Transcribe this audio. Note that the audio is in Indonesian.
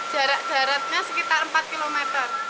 jarak jaraknya sekitar empat kilometer